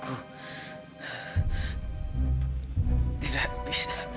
aku tidak bisa